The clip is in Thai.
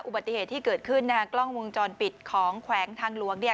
อุบัติเหตุที่เกิดขึ้นนะฮะกล้องวงจรปิดของแขวงทางหลวงเนี่ย